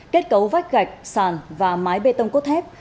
kết cấu vách gạch sàn và mái bê tông cốt thép